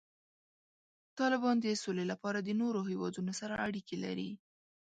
طالبان د سولې لپاره د نورو هیوادونو سره اړیکې لري.